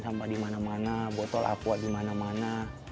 sampah dimana mana botol aqua dimana mana